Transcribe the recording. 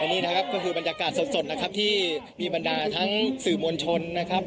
นี่นะครับก็คือบรรยากาศสดนะครับที่มีบรรดาทั้งสื่อมวลชนนะครับ